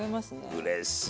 うれしいな。